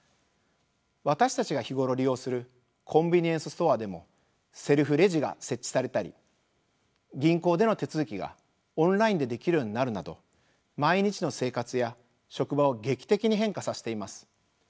私たちが日頃利用するコンビニエンスストアでもセルフレジが設置されたり銀行での手続きがオンラインでできるようになるなど毎日の生活や職場を劇的に変化させています。